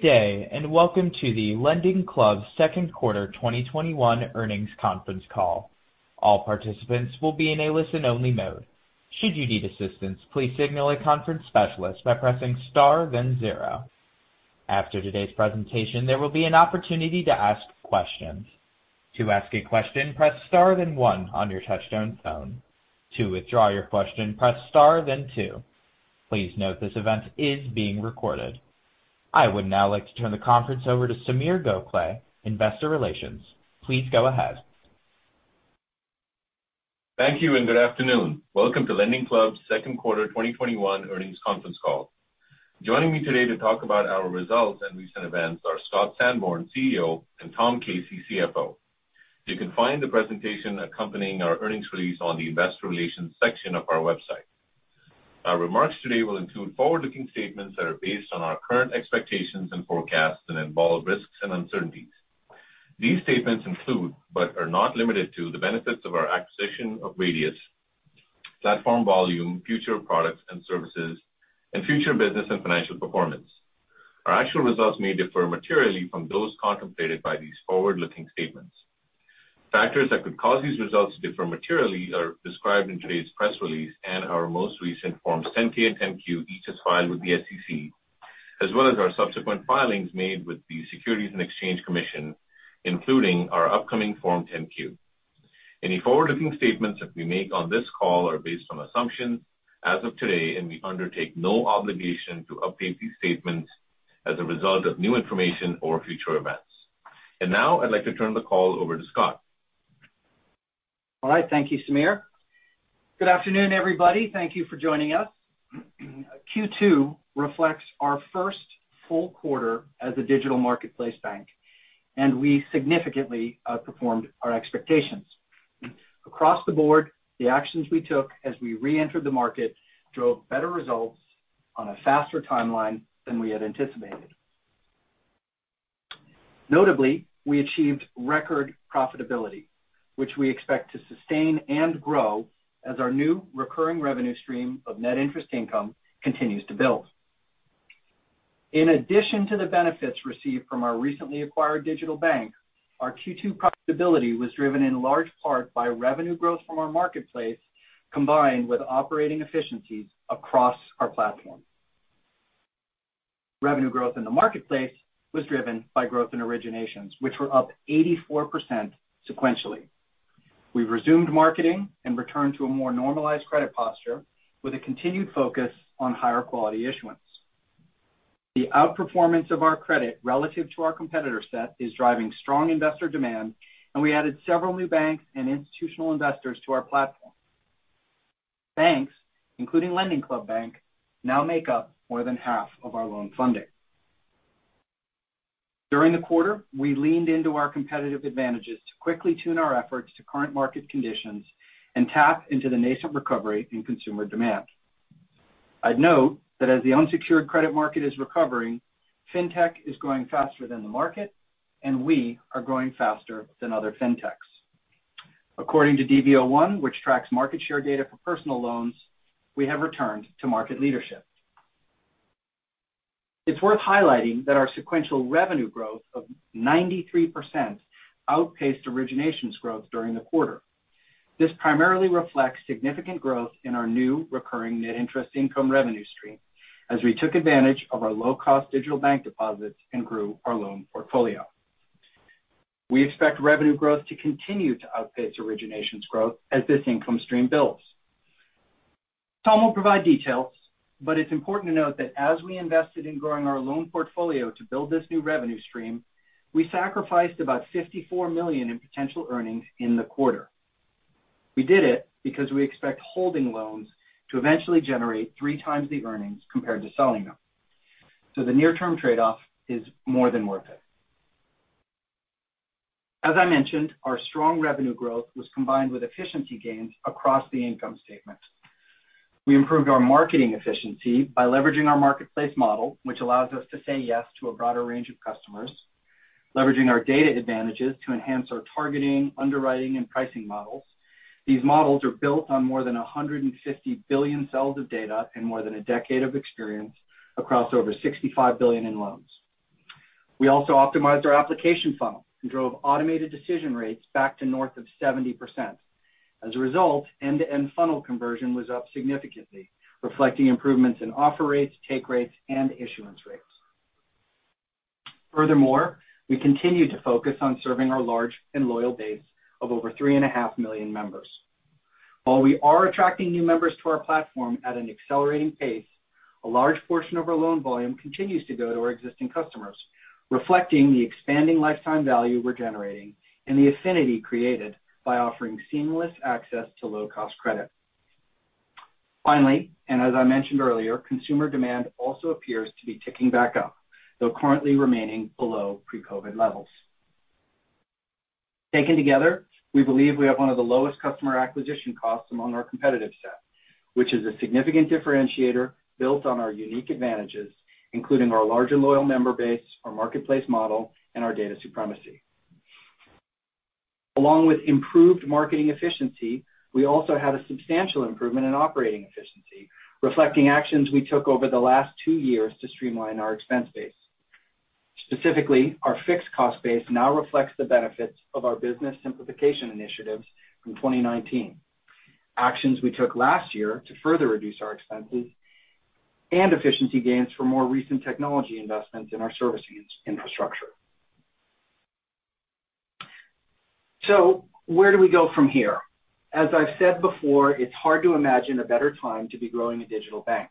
Good day, and welcome to the LendingClub Q2 2021 earnings conference call. All participants will be in a listen-only mode. Should you need assistance, please signal conference specialist by pressing star, then zero. After today's presentation, there will be an opportunity to ask questions. To ask a question, press star then one on your touchtone phone. To withdraw your question, press star then two. Please note this event is been recorded. I would now like to turn the conference over to Sameer Gokhale, Head of Investor Relations. Please go ahead. Thank you, and good afternoon. Welcome to LendingClub's Q2 2021 earnings conference call. Joining me today to talk about our results and recent events are Scott Sanborn, CEO, and Tom Casey, CFO. You can find the presentation accompanying our earnings release on the investor relations section of our website. Our remarks today will include forward-looking statements that are based on our current expectations and forecasts and involve risks and uncertainties. These statements include, but are not limited to, the benefits of our acquisition of Radius, platform volume, future products and services, and future business and financial performance. Our actual results may differ materially from those contemplated by these forward-looking statements. Factors that could cause these results to differ materially are described in today's press release and our most recent Forms 10-K and 10-Q, each as filed with the SEC, as well as our subsequent filings made with the Securities and Exchange Commission, including our upcoming Form 10-Q. Any forward-looking statements that we make on this call are based on assumptions as of today. We undertake no obligation to update these statements as a result of new information or future events. Now I'd like to turn the call over to Scott. All right. Thank you, Sameer. Good afternoon, everybody. Thank you for joining us. Q2 reflects our first full quarter as a digital marketplace bank. We significantly outperformed our expectations. Across the board, the actions we took as we reentered the market drove better results on a faster timeline than we had anticipated. Notably, we achieved record profitability, which we expect to sustain and grow as our new recurring revenue stream of net interest income continues to build. In addition to the benefits received from our recently acquired digital bank, our Q2 profitability was driven in large part by revenue growth from our marketplace, combined with operating efficiencies across our platform. Revenue growth in the marketplace was driven by growth in originations, which were up 84% sequentially. We've resumed marketing and returned to a more normalized credit posture with a continued focus on higher quality issuance. The outperformance of our credit relative to our competitor set is driving strong investor demand, and we added several new banks and institutional investors to our platform. Banks, including LendingClub Bank, now make up more than half of our loan funding. During the quarter, we leaned into our competitive advantages to quickly tune our efforts to current market conditions and tap into the nascent recovery in consumer demand. I'd note that as the unsecured credit market is recovering, fintech is growing faster than the market, and we are growing faster than other fintechs. According to dv01, which tracks market share data for personal loans, we have returned to market leadership. It's worth highlighting that our sequential revenue growth of 93% outpaced originations growth during the quarter. This primarily reflects significant growth in our new recurring net interest income revenue stream as we took advantage of our low-cost digital bank deposits and grew our loan portfolio. We expect revenue growth to continue to outpace originations growth as this income stream builds. Tom will provide details, but it's important to note that as we invested in growing our loan portfolio to build this new revenue stream, we sacrificed about $54 million in potential earnings in the quarter. We did it because we expect holding loans to eventually generate three times the earnings compared to selling them. The near-term trade-off is more than worth it. As I mentioned, our strong revenue growth was combined with efficiency gains across the income statement. We improved our marketing efficiency by leveraging our marketplace model, which allows us to say yes to a broader range of customers, leveraging our data advantages to enhance our targeting, underwriting, and pricing models. These models are built on more than 150 billion cells of data and more than a decade of experience across over $65 billion in loans. We also optimized our application funnel and drove automated decision rates back to north of 70%. As a result, end-to-end funnel conversion was up significantly, reflecting improvements in offer rates, take rates, and issuance rates. Furthermore, we continue to focus on serving our large and loyal base of over three and a half million members. While we are attracting new members to our platform at an accelerating pace, a large portion of our loan volume continues to go to our existing customers, reflecting the expanding lifetime value we're generating and the affinity created by offering seamless access to low-cost credit. Finally, as I mentioned earlier, consumer demand also appears to be ticking back up, though currently remaining below pre-COVID levels. Taken together, we believe we have one of the lowest customer acquisition costs among our competitive set, which is a significant differentiator built on our unique advantages, including our large and loyal member base, our marketplace model, and our data supremacy. Along with improved marketing efficiency, we also had a substantial improvement in operating efficiency, reflecting actions we took over the last two years to streamline our expense base. Specifically, our fixed cost base now reflects the benefits of our business simplification initiatives from 2019. Actions we took last year to further reduce our expenses and efficiency gains for more recent technology investments in our servicing infrastructure. Where do we go from here? As I've said before, it's hard to imagine a better time to be growing a digital bank.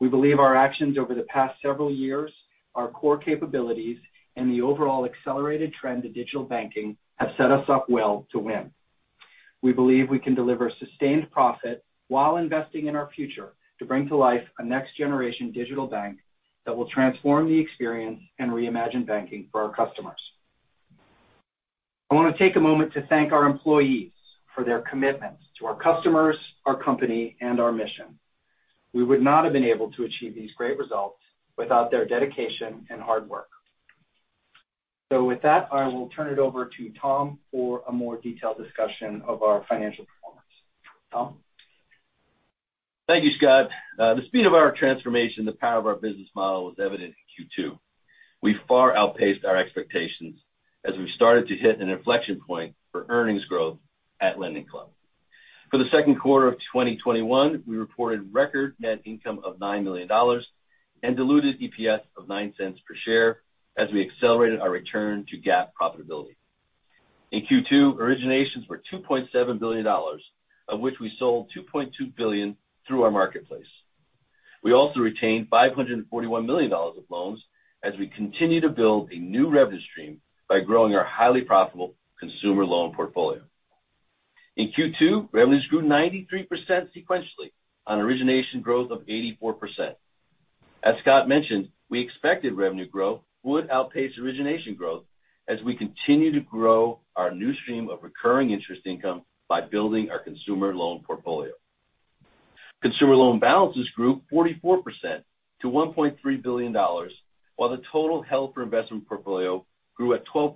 We believe our actions over the past several years, our core capabilities, and the overall accelerated trend to digital banking have set us up well to win. We believe we can deliver sustained profit while investing in our future to bring to life a next-generation digital bank that will transform the experience and reimagine banking for our customers. I want to take a moment to thank our employees for their commitment to our customers, our company, and our mission. We would not have been able to achieve these great results without their dedication and hard work. With that, I will turn it over to Tom for a more detailed discussion of our financial performance. Tom? Thank you, Scott. The speed of our transformation, the power of our business model was evident in Q2. We far outpaced our expectations as we started to hit an inflection point for earnings growth at LendingClub. For the Q2 of 2021, we reported record net income of $9 million and diluted EPS of $0.09 per share as we accelerated our return to GAAP profitability. In Q2, originations were $2.7 billion, of which we sold $2.2 billion through our marketplace. We also retained $541 million of loans as we continue to build a new revenue stream by growing our highly profitable consumer loan portfolio. In Q2, revenues grew 93% sequentially on origination growth of 84%. As Scott mentioned, we expected revenue growth would outpace origination growth as we continue to grow our new stream of recurring interest income by building our consumer loan portfolio. Consumer loan balances grew 44% to $1.3 billion, while the total held for investment portfolio grew at 12%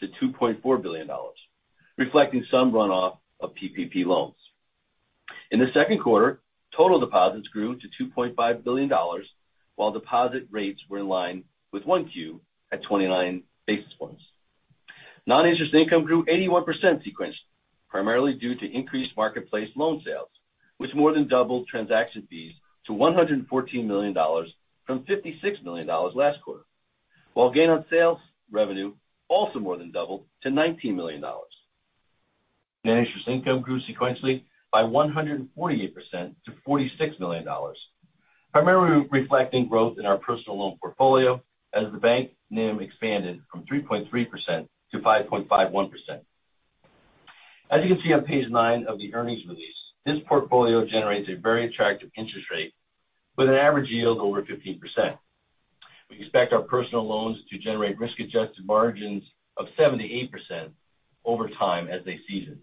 to $2.4 billion, reflecting some runoff of PPP loans. In the Q2, total deposits grew to $2.5 billion, while deposit rates were in line with Q1 at 29 basis points. Non-interest income grew 81% sequenced, primarily due to increased marketplace loan sales, which more than doubled transaction fees to $114 million from $56 million last quarter. While gain on sales revenue also more than doubled to $19 million. Net interest income grew sequentially by 148% to $46 million, primarily reflecting growth in our personal loan portfolio as the bank NIM expanded from 3.3%-5.51%. As you can see on page nine of the earnings release, this portfolio generates a very attractive interest rate with an average yield over 15%. We expect our personal loans to generate risk-adjusted margins of 78% over time as they season.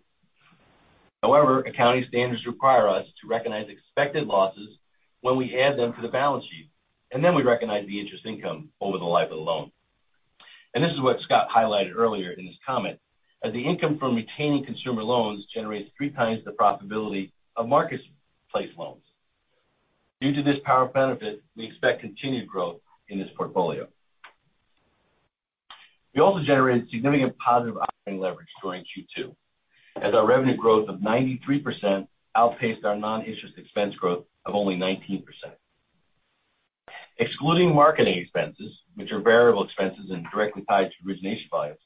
However, accounting standards require us to recognize expected losses when we add them to the balance sheet, then we recognize the interest income over the life of the loan. This is what Scott highlighted earlier in his comment, that the income from retaining consumer loans generates three times the profitability of marketplace loans. Due to this powerful benefit, we expect continued growth in this portfolio. We also generated significant positive operating leverage during Q2 as our revenue growth of 93% outpaced our non-interest expense growth of only 19%. Excluding marketing expenses, which are variable expenses and directly tied to origination volumes,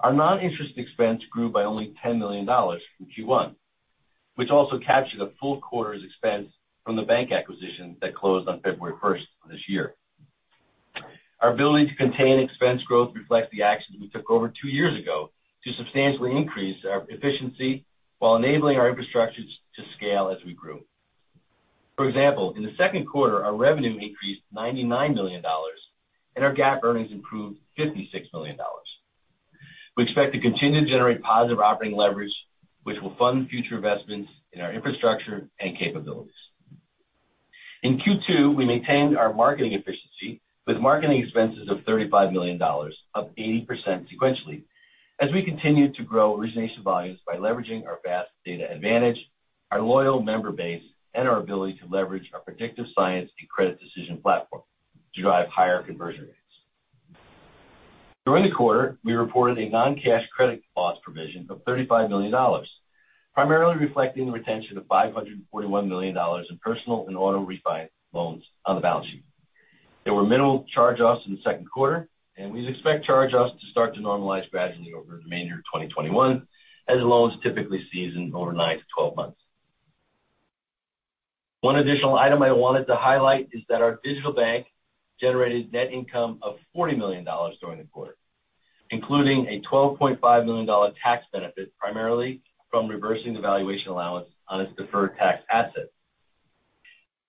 our non-interest expense grew by only $10 million from Q1, which also captured a full quarter's expense from the bank acquisition that closed on February 1st, of this year. Our ability to contain expense growth reflects the actions we took over two years ago to substantially increase our efficiency while enabling our infrastructures to scale as we grew. For example, in the Q2, our revenue increased $99 million, and our GAAP earnings improved $56 million. We expect to continue to generate positive operating leverage, which will fund future investments in our infrastructure and capabilities. In Q2, we maintained our marketing efficiency with marketing expenses of $35 million, up 80% sequentially as we continued to grow origination volumes by leveraging our vast data advantage, our loyal member base, and our ability to leverage our predictive science and credit decision platform to drive higher conversion rates. During the quarter, we reported a non-cash credit loss provision of $35 million, primarily reflecting the retention of $541 million in personal and auto refinance loans on the balance sheet. There were minimal charge-offs in the Q2, and we expect charge-offs to start to normalize gradually over the remainder of 2021 as loans typically season over 9-12 months. One additional item I wanted to highlight is that our digital bank generated net income of $40 million during the quarter, including a $12.5 million tax benefit, primarily from reversing the valuation allowance on its deferred tax asset.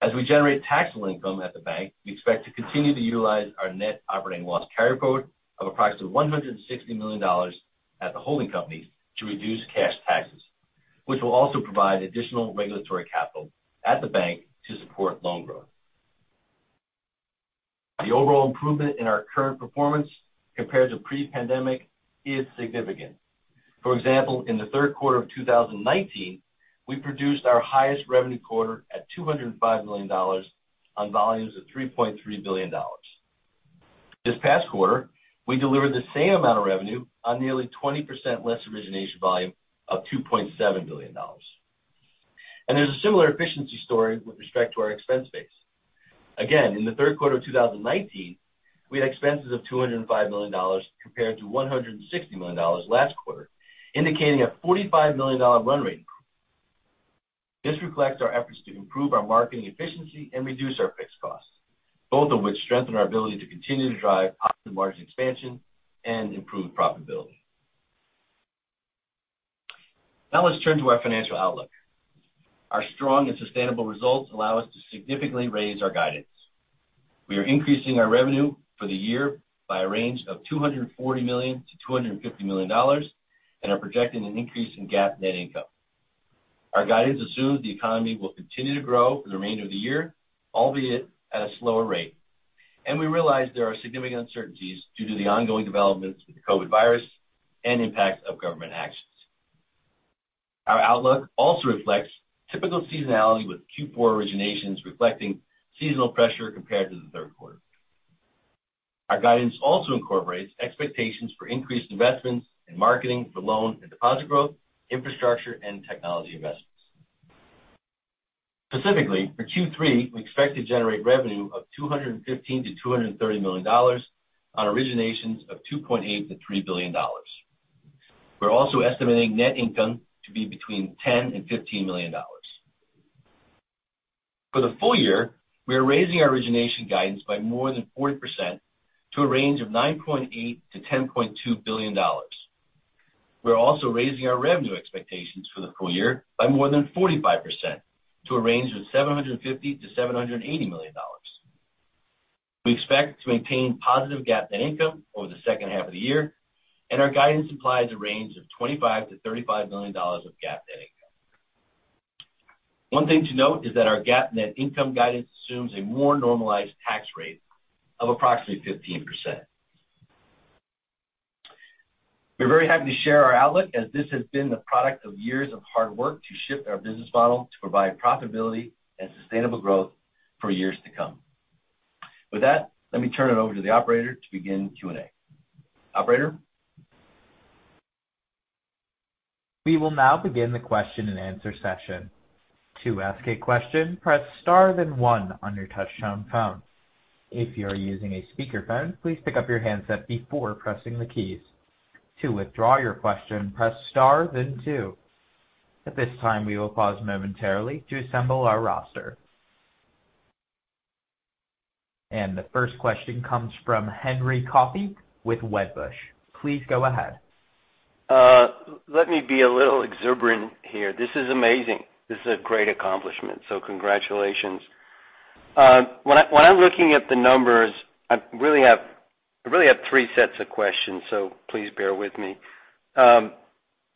As we generate taxable income at the bank, we expect to continue to utilize our net operating loss carryforward of approximately $160 million at the holding company to reduce cash taxes, which will also provide additional regulatory capital at the bank to support loan growth. The overall improvement in our current performance compared to pre-pandemic is significant. For example, in the Q3 of 2019, we produced our highest revenue quarter at $205 million on volumes of $3.3 billion. This past quarter, we delivered the same amount of revenue on nearly 20% less origination volume of $2.7 billion. There's a similar efficiency story with respect to our expense base. Again, in the Q3 of 2019, we had expenses of $205 million compared to $160 million last quarter, indicating a $45 million run rate. This reflects our efforts to improve our marketing efficiency and reduce our fixed costs, both of which strengthen our ability to continue to drive optimal margin expansion and improve profitability. Now let's turn to our financial outlook. Our strong and sustainable results allow us to significantly raise our guidance. We are increasing our revenue for the year by a range of $240 million-$250 million and are projecting an increase in GAAP net income. Our guidance assumes the economy will continue to grow for the remainder of the year, albeit at a slower rate. We realize there are significant uncertainties due to the ongoing developments with the COVID virus and impacts of government actions. Our outlook also reflects typical seasonality with Q4 originations reflecting seasonal pressure compared to the Q3. Our guidance also incorporates expectations for increased investments in marketing for loan and deposit growth, infrastructure, and technology investments. Specifically, for Q3, we expect to generate revenue of $215 million-$230 million on originations of $2.8 billion-$3 billion. We're also estimating net income to be between $10 million and $15 million. For the full year, we are raising our origination guidance by more than 40% to a range of $9.8 billion-$10.2 billion. We're also raising our revenue expectations for the full year by more than 45% to a range of $750 million-$780 million. We expect to maintain positive GAAP net income over the second half of the year, and our guidance implies a range of $25 million-$35 million of GAAP net income. One thing to note is that our GAAP net income guidance assumes a more normalized tax rate of approximately 15%. We're very happy to share our outlook, as this has been the product of years of hard work to shift our business model to provide profitability and sustainable growth for years to come. With that, let me turn it over to the operator to begin Q&A. Operator? We will now begin the question and answer session. To ask a question, press star then one on your touchtone phone. If you are using a speaker phone, please pick up your handset before pressing the star keys. To withdraw your question, press star then two. At this time, we will pause momentarily to assemble our roster. The first question comes from Henry Coffey with Wedbush. Please go ahead. Let me be a little exuberant here. This is amazing. This is a great accomplishment, so congratulations. When I'm looking at the numbers, I really have three sets of questions. Please bear with me.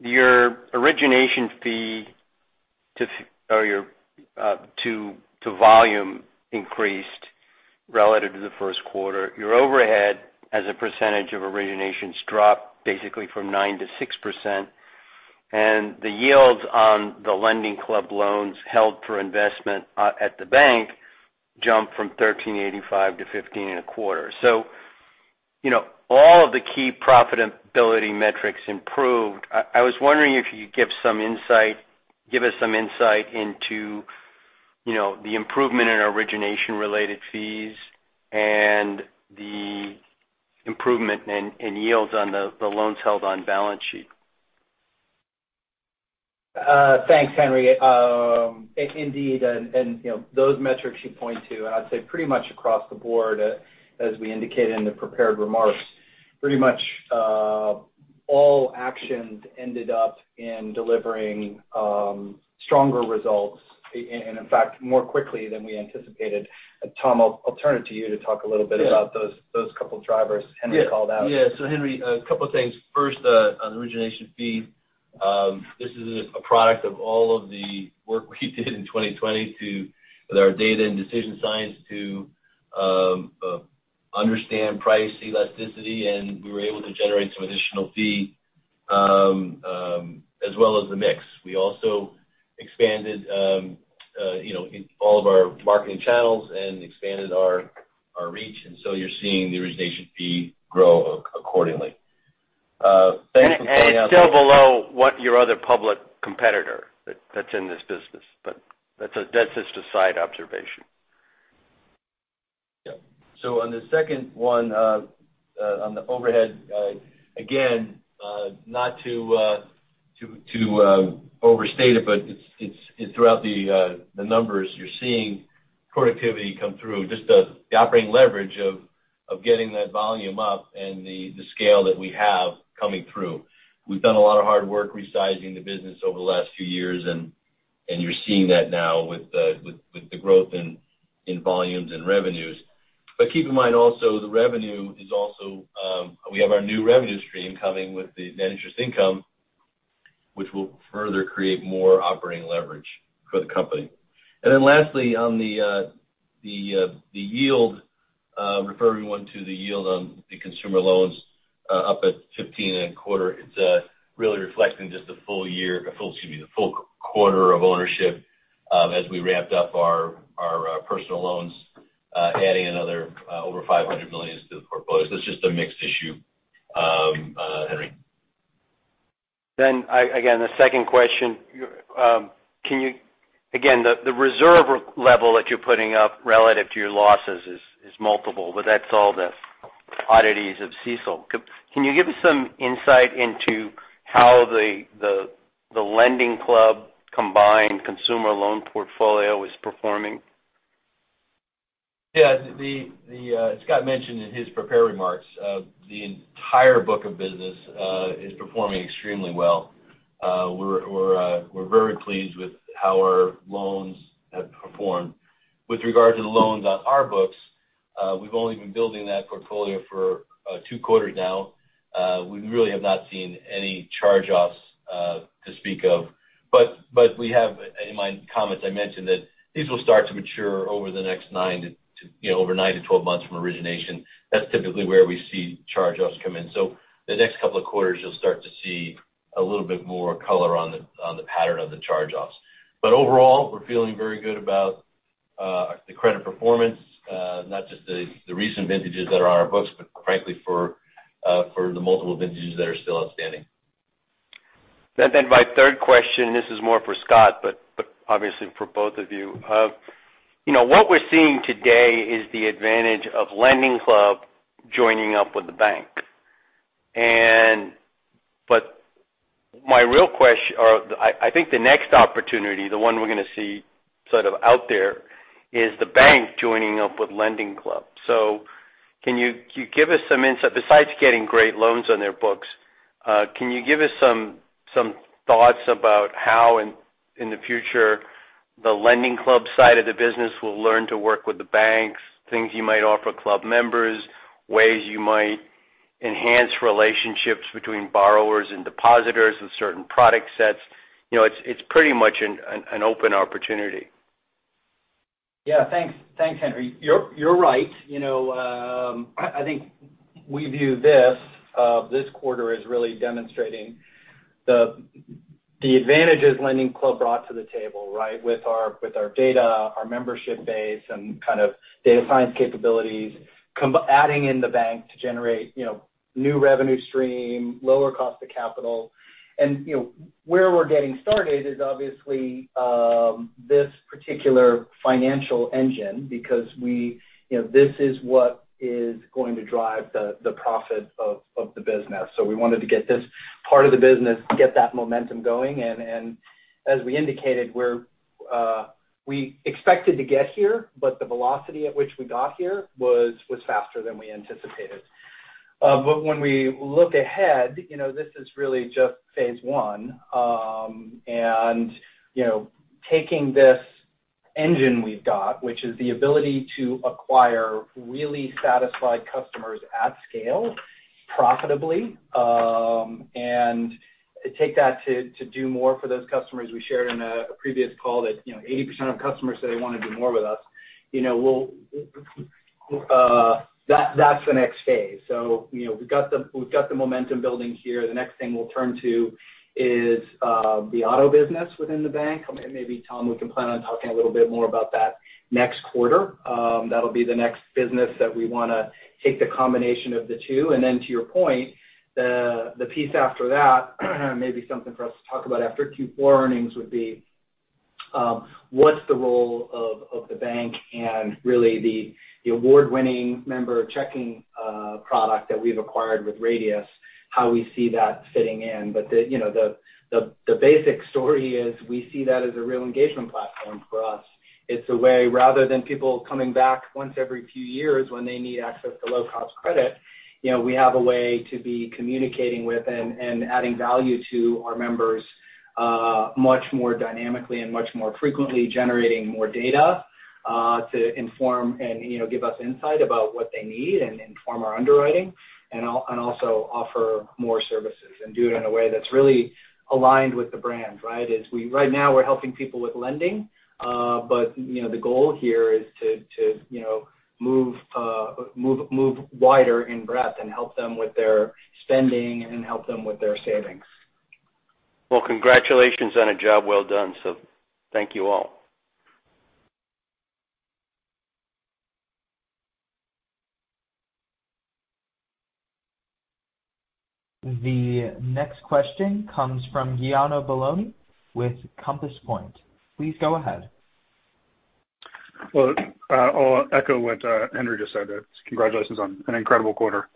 Your origination fee to volume increased relative to the Q1. Your overhead as a percentage of originations dropped basically from 9%-6%. The yields on the LendingClub loans held for investment at the bank jumped from 13.85%-15.25%. All of the key profitability metrics improved. I was wondering if you could give us some insight into the improvement in origination-related fees and the improvement in yields on the loans held on balance sheet. Thanks, Henry. Indeed, and those metrics you point to, and I'd say pretty much across the board, as we indicated in the prepared remarks, pretty much all actions ended up in delivering stronger results, and in fact, more quickly than we anticipated. Tom, I'll turn it to you to talk a little bit about those couple of drivers Henry called out. Henry, a couple of things. First, on origination fee. This is a product of all of the work we did in 2020 with our data and decision science to understand price elasticity, and we were able to generate some additional fee, as well as the mix. We also expanded all of our marketing channels and expanded our reach, and so you're seeing the origination fee grow accordingly. Thanks for pointing out. It's still below what your other public competitor that's in this business. That's just a side observation. Yeah. On the second one, on the overhead, again, not to overstate it, but throughout the numbers, you're seeing productivity come through. Just the operating leverage of getting that volume up and the scale that we have coming through. We've done a lot of hard work resizing the business over the last few years, and you're seeing that now with the growth in volumes and revenues. Keep in mind also, we have our new revenue stream coming with the net interest income, which will further create more operating leverage for the company. Lastly, on the yield, referring one to the yield on the consumer loans up at 15.25%, it's really reflecting just the full quarter of ownership as we ramped up our personal loans, adding another over $500 million to the portfolios. It's just a mixed issue, Henry. Again, the second question. The reserve level that you're putting up relative to your losses is multiple, but that's all the oddities of CECL. Can you give us some insight into how the LendingClub combined consumer loan portfolio is performing? As Scott mentioned in his prepared remarks, the entire book of business is performing extremely well. We're very pleased with how our loans have performed. With regard to the loans on our books, we've only been building that portfolio for two quarters now. We really have not seen any charge-offs to speak of. We have, in my comments, I mentioned that these will start to mature over the next 9-12 months from origination. That's typically where we see charge-offs come in. The next couple of quarters, you'll start to see a little bit more color on the pattern of the charge-offs. Overall, we're feeling very good about the credit performance, not just the recent vintages that are on our books, but frankly, for the multiple vintages that are still outstanding. My third question, this is more for Scott, but obviously for both of you. What we're seeing today is the advantage of LendingClub joining up with the bank. I think the next opportunity, the one we're going to see sort of out there, is the bank joining up with LendingClub. Can you give us some insight, besides getting great loans on their books, can you give us some thoughts about how in the future the LendingClub side of the business will learn to work with the banks, things you might offer club members, ways you might enhance relationships between borrowers and depositors with certain product sets? It's pretty much an open opportunity. Yeah, thanks, Henry. You're right. I think we view this quarter as really demonstrating the advantages LendingClub brought to the table with our data, our membership base, and kind of data science capabilities, adding in the bank to generate new revenue stream, lower cost of capital. Where we're getting started is obviously this particular financial engine, because this is what is going to drive the profit of the business. We wanted to get this part of the business, get that momentum going. As we indicated, we expected to get here, but the velocity at which we got here was faster than we anticipated. When we look ahead, this is really just phase one. Taking this engine we've got, which is the ability to acquire really satisfied customers at scale profitably, and take that to do more for those customers. We shared in a previous call that 80% of customers say they want to do more with us. We've got the momentum building here. The next thing we'll turn to is the auto business within the bank. Maybe, Tom, we can plan on talking a little bit more about that next quarter. That'll be the next business that we want to take the combination of the two. Then to your point, the piece after that, maybe something for us to talk about after Q4 earnings would be what's the role of the bank and really the award-winning member checking product that we've acquired with Radius, how we see that fitting in. The basic story is we see that as a real engagement platform for us. It's a way, rather than people coming back once every few years when they need access to low-cost credit, we have a way to be communicating with and adding value to our members much more dynamically and much more frequently, generating more data to inform and give us insight about what they need and inform our underwriting. Also offer more services and do it in a way that's really aligned with the brand. Right now we're helping people with lending. The goal here is to move wider in breadth and help them with their spending and help them with their savings. Well, congratulations on a job well done. Thank you all. The next question comes from Giuliano Bologna with Compass Point. Please go ahead. Well, I'll echo what Henry just said. Congratulations on an incredible quarter.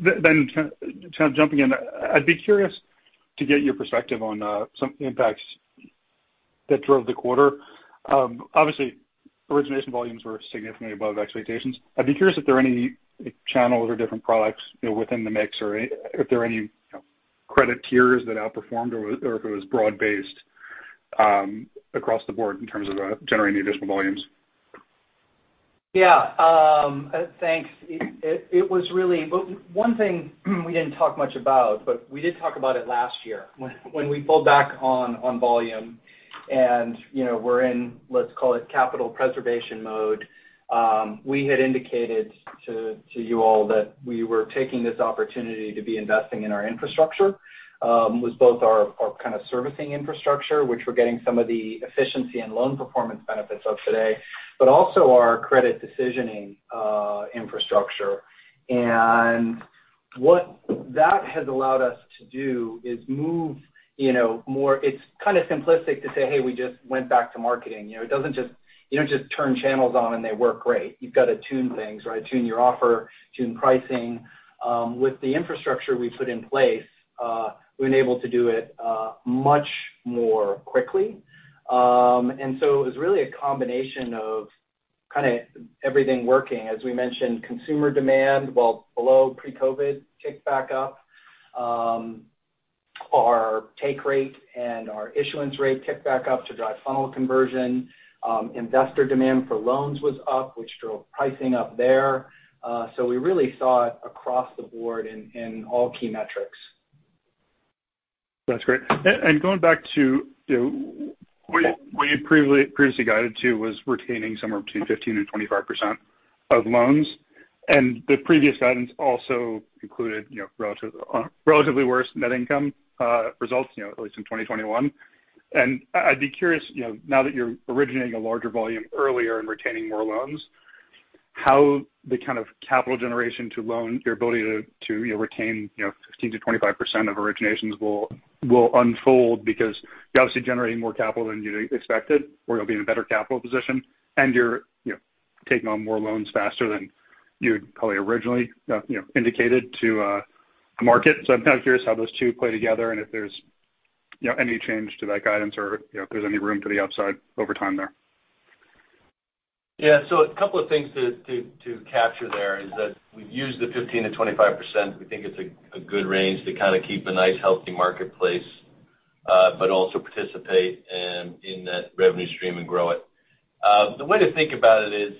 Jumping in, I'd be curious to get your perspective on some impacts that drove the quarter. Obviously, origination volumes were significantly above expectations. I'd be curious if there are any channels or different products within the mix, or if there are any credit tiers that outperformed, or if it was broad based across the board in terms of generating additional volumes. Yeah. Thanks. One thing we didn't talk much about, but we did talk about it last year when we pulled back on volume and we're in, let's call it capital preservation mode. We had indicated to you all that we were taking this opportunity to be investing in our infrastructure. With both our kind of servicing infrastructure, which we're getting some of the efficiency and loan performance benefits of today, but also our credit decisioning infrastructure. What that has allowed us to do is move more. It's kind of simplistic to say, "Hey, we just went back to marketing." You don't just turn channels on and they work great. You've got to tune things, right? Tune your offer, tune pricing. With the infrastructure we put in place, we've been able to do it much more quickly. It was really a combination of kind of everything working. As we mentioned, consumer demand, while below pre-COVID, ticked back up. Our take rate and our issuance rate ticked back up to drive funnel conversion. Investor demand for loans was up, which drove pricing up there. We really saw it across the board in all key metrics. That's great. Going back to what you previously guided to was retaining somewhere between 15% and 25% of loans, and the previous guidance also included relatively worse net income results at least in 2021. I'd be curious, now that you're originating a larger volume earlier and retaining more loans, how the kind of capital generation to loan, your ability to retain 15%-25% of originations will unfold because you're obviously generating more capital than you expected, or you'll be in a better capital position, and you're taking on more loans faster than you had probably originally indicated to market. I'm kind of curious how those two play together and if there's any change to that guidance or if there's any room to the upside over time there. Yeah. A couple of things to capture there is that we've used the 15%-25%. We think it's a good range to kind of keep a nice, healthy marketplace, but also participate in that revenue stream and grow it. The way to think about it is,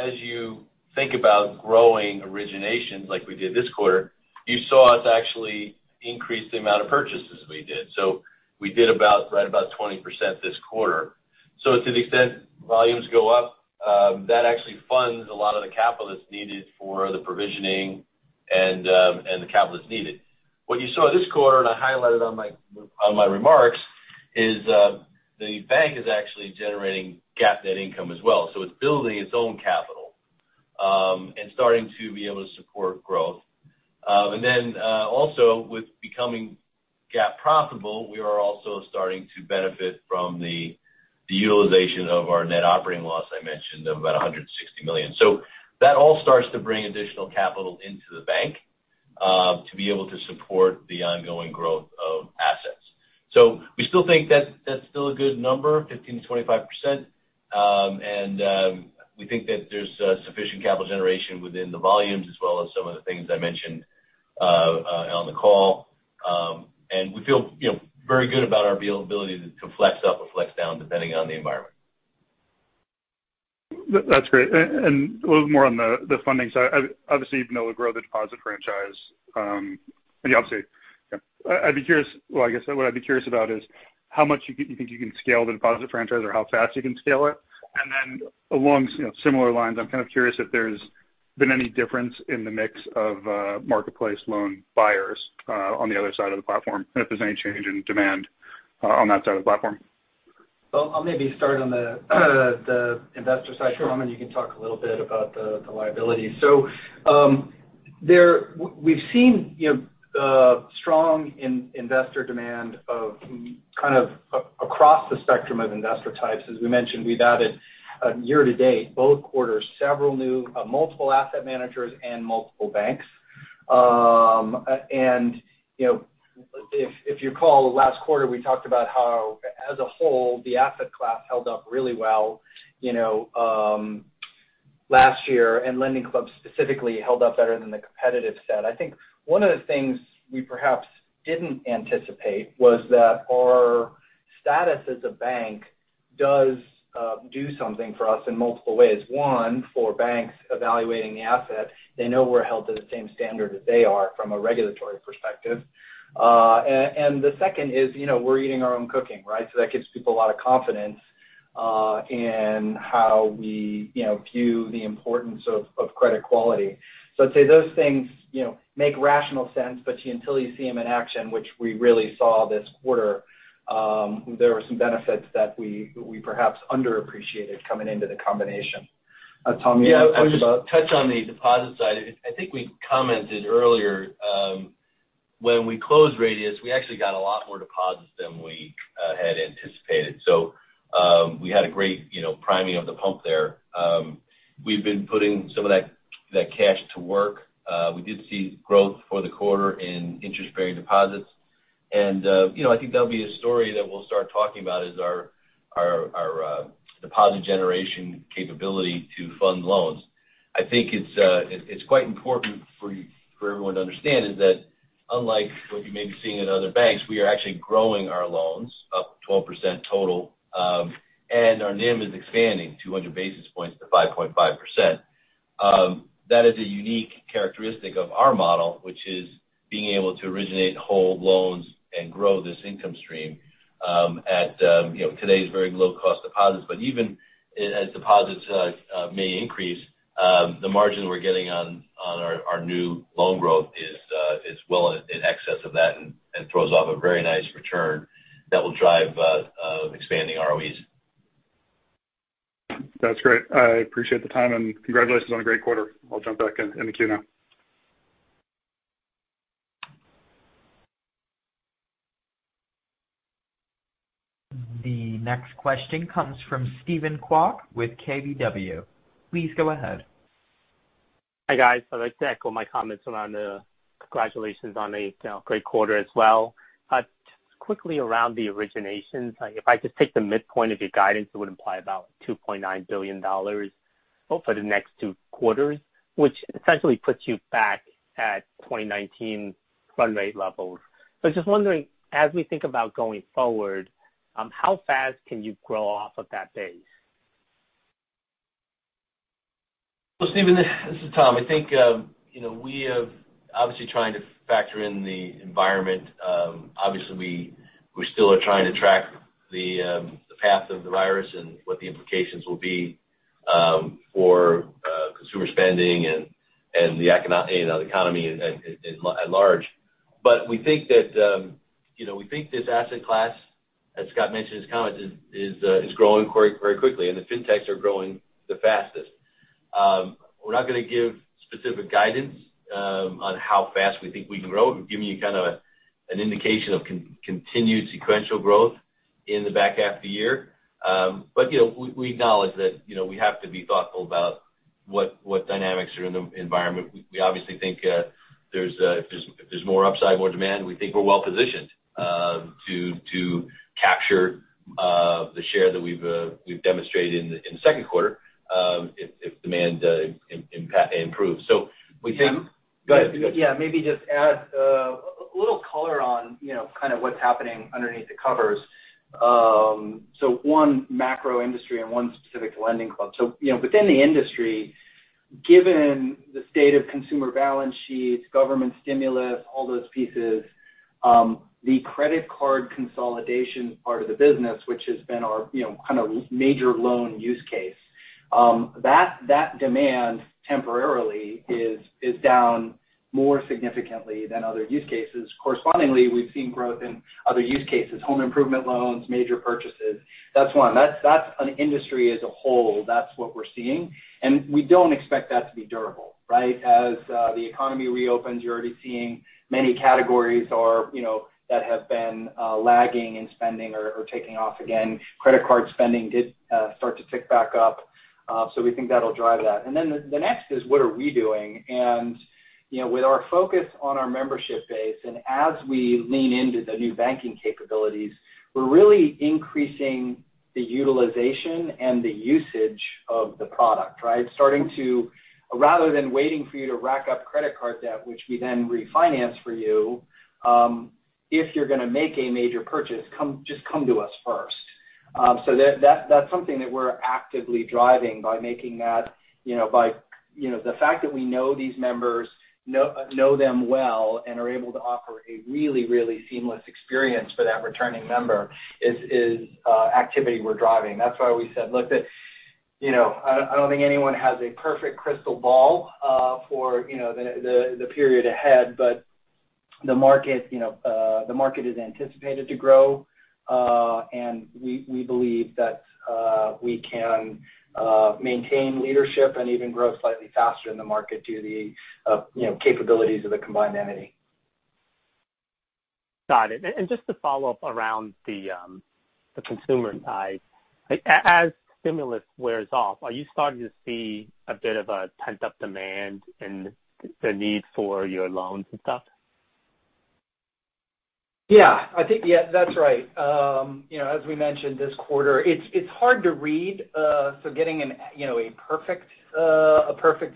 as you think about growing originations like we did this quarter, you saw us actually increase the amount of purchases we did. We did right about 20% this quarter. To the extent volumes go up, that actually funds a lot of the capital that's needed for the provisioning and the capital that's needed. What you saw this quarter, and I highlighted on my remarks, is the bank is actually generating GAAP net income as well. It's building its own capital, and starting to be able to support growth. With becoming GAAP profitable, we are also starting to benefit from the utilization of our net operating loss I mentioned of about $160 million. That all starts to bring additional capital into the bank, to be able to support the ongoing growth of assets. We still think that's still a good number, 15%-25%. We think that there's sufficient capital generation within the volumes as well as some of the things I mentioned on the call. We feel very good about our ability to flex up or flex down depending on the environment. That's great. A little bit more on the funding side. Obviously, you'd be able to grow the deposit franchise. I guess what I'd be curious about is how much you think you can scale the deposit franchise or how fast you can scale it. Then along similar lines, I'm kind of curious if there's been any difference in the mix of marketplace loan buyers on the other side of the platform, and if there's any change in demand on that side of the platform. Well, I'll maybe start on the investor side, Tom, and you can talk a little bit about the liability. We've seen strong investor demand kind of across the spectrum of investor types. As we mentioned, we've added year to date, both quarters, multiple asset managers and multiple banks. If you recall last quarter, we talked about how as a whole, the asset class held up really well last year, and LendingClub specifically held up better than the competitive set. I think one of the things we perhaps didn't anticipate was that our status as a bank does do something for us in multiple ways. One, for banks evaluating the asset, they know we're held to the same standard as they are from a regulatory perspective. The second is we're eating our own cooking, right? That gives people a lot of confidence in how we view the importance of credit quality. I'd say those things make rational sense, but until you see them in action, which we really saw this quarter, there were some benefits that we perhaps underappreciated coming into the combination. Tom, you want to- Yeah. I'll just touch on the deposit side. I think we commented earlier, when we closed Radius, we actually got a lot more deposits than we had anticipated. We had a great priming of the pump there. We've been putting some of that cash to work. We did see growth for the quarter in interest-bearing deposits. I think that'll be a story that we'll start talking about is our deposit generation capability to fund loans. I think it's quite important for everyone to understand is that unlike what you may be seeing in other banks, we are actually growing our loans up 12% total. Our NIM is expanding 200 basis points to 5.5%. That is a unique characteristic of our model, which is being able to originate whole loans and grow this income stream at today's very low-cost deposits. Even as deposits may increase, the margin we're getting on our new loan growth is well in excess of that and throws off a very nice return that will drive expanding ROEs. That's great. I appreciate the time, and congratulations on a great quarter. I'll jump back in the queue now. The next question comes from Steven Kwok with KBW. Please go ahead. Hi, guys. I'd like to echo my comments around the congratulations on a great quarter as well. Quickly around the originations. If I just take the midpoint of your guidance, it would imply about $2.9 billion for the next two quarters, which essentially puts you back at 2019 run rate levels. I was just wondering, as we think about going forward, how fast can you grow off of that base? Well, Steven, this is Tom. I think we have obviously trying to factor in the environment. We still are trying to track the path of the virus and what the implications will be for consumer spending and the economy at large. We think this asset class, as Scott mentioned in his comments, is growing very quickly, and the fintechs are growing the fastest. We're not going to give specific guidance on how fast we think we can grow. We can give you kind of an indication of continued sequential growth in the back half of the year. We acknowledge that we have to be thoughtful about what dynamics are in the environment. We obviously think if there's more upside, more demand, we think we're well-positioned to capture the share that we've demonstrated in the Q2 if demand improves. Scott? Go ahead. Maybe just add a little color on kind of what's happening underneath the covers. One, macro industry and one specific to LendingClub. Within the industry, given the state of consumer balance sheets, government stimulus, all those pieces the credit card consolidation part of the business, which has been our kind of major loan use case that demand temporarily is down more significantly than other use cases. Correspondingly, we've seen growth in other use cases, home improvement loans, major purchases. That's one. That's an industry as a whole. That's what we're seeing. We don't expect that to be durable, right? As the economy reopens, you're already seeing many categories that have been lagging in spending are taking off again. Credit card spending did start to tick back up. We think that'll drive that. Then the next is what are we doing? With our focus on our membership base, and as we lean into the new banking capabilities, we're really increasing the utilization and the usage of the product, right. Rather than waiting for you to rack up credit card debt, which we then refinance for you if you're going to make a major purchase, just come to us first. That's something that we're actively driving by the fact that we know these members, know them well, and are able to offer a really, really seamless experience for that returning member is activity we're driving. That's why we said, look, I don't think anyone has a perfect crystal ball for the period ahead. The market is anticipated to grow. We believe that we can maintain leadership and even grow slightly faster in the market due to the capabilities of the combined entity. Got it. Just to follow up around the consumer side. As stimulus wears off, are you starting to see a bit of a pent-up demand and the need for your loans and stuff? Yeah. That's right. As we mentioned this quarter, it's hard to read. Getting a perfect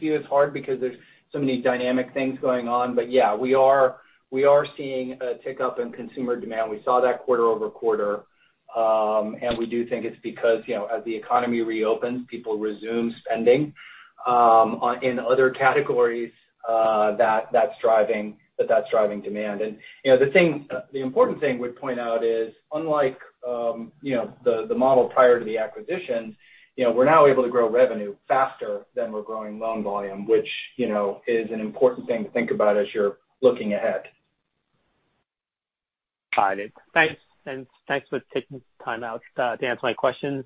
view is hard because there's so many dynamic things going on. Yeah, we are seeing a tick up in consumer demand. We saw that quarter-over-quarter. We do think it's because as the economy reopens, people resume spending in other categories that's driving demand. The important thing we'd point out is unlike the model prior to the acquisition we're now able to grow revenue faster than we're growing loan volume, which is an important thing to think about as you're looking ahead. Got it. Thanks. Thanks for taking time out to answer my questions.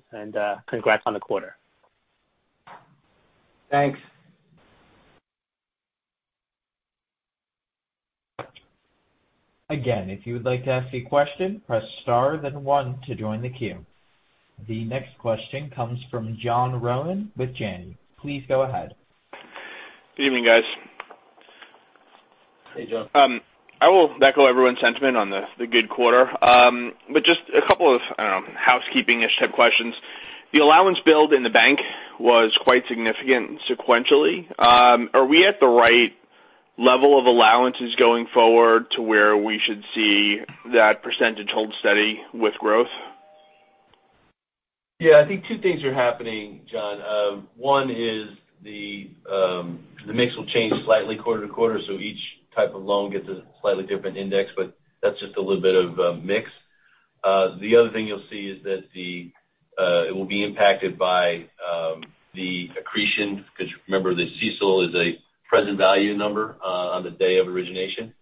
Congrats on the quarter. Thanks. Again, if you would like to ask a question, press star then one to join the queue. The next question comes from John Rowan with Janney. Please go ahead. Good evening, guys Hey, John. I will echo everyone's sentiment on the good quarter. Just a couple of, I don't know, housekeeping-ish type questions. The allowance build in the bank was quite significant sequentially. Are we at the right level of allowances going forward to where we should see that percentage hold steady with growth? I think two things are happening, John. One is the mix will change slightly quarter to quarter, so each type of loan gets a slightly different index, but that's just a little bit of a mix. The other thing you'll see is that it will be impacted by the accretion, because remember, the CECL is a present value number on the day of origination.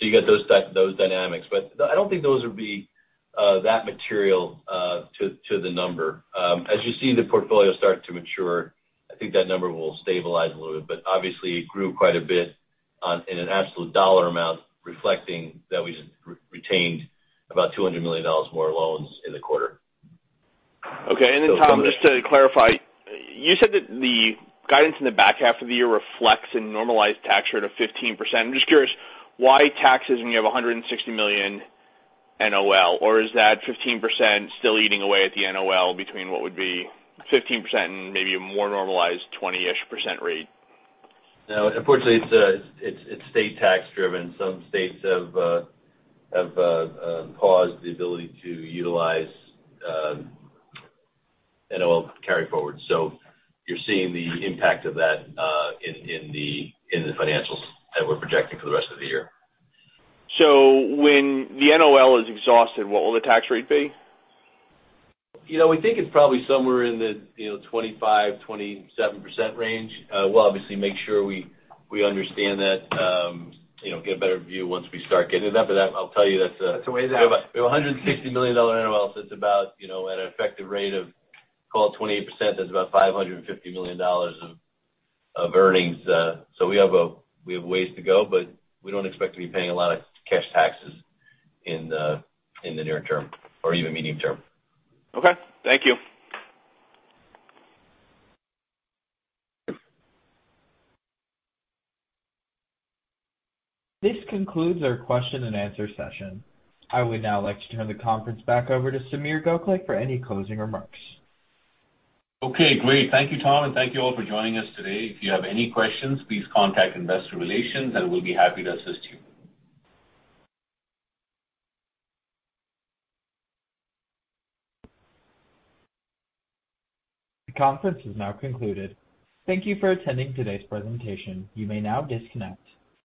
You've got those dynamics. I don't think those would be that material to the number. As you see the portfolio start to mature, I think that number will stabilize a little bit. Obviously, it grew quite a bit in an absolute dollar amount, reflecting that we retained about $200 million more loans in the quarter. Okay. Tom, just to clarify, you said that the guidance in the back half of the year reflects a normalized tax rate of 15%. I'm just curious why taxes when you have $160 million NOL? Is that 15% still eating away at the NOL between what would be 15% and maybe a more normalized 20-ish% rate? Unfortunately, it's state tax driven. Some states have paused the ability to utilize NOL carry forward. You're seeing the impact of that in the financials that we're projecting for the rest of the year. When the NOL is exhausted, what will the tax rate be? We think it's probably somewhere in the 25%-27% range. We'll obviously make sure we understand that, get a better view once we start getting it. After that, I'll tell you, that's a- That's a way out. We have $160 million NOL, it's about at an effective rate of call it 28%, that's about $550 million of earnings. We have ways to go, but we don't expect to be paying a lot of cash taxes in the near term or even medium term. Okay. Thank you. This concludes our question and answer session. I would now like to turn the conference back over to Sameer Gokhale for any closing remarks. Okay, great. Thank you, Tom, and thank you all for joining us today. If you have any questions, please contact investor relations, and we'll be happy to assist you. The conference has now concluded. Thank you for attending today's presentation. You may now disconnect.